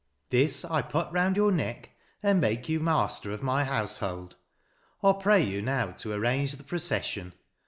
This I put round your neck and make you master of my household. I pray you now to arrange the procession.